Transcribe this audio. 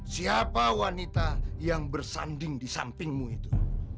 siapa wanita yang bersanding di sampingmu itu